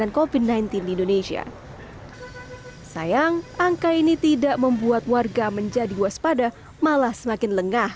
and confidently indonesia sayang angka ini tidak membuat warga menjadi waspada malah semakin lengah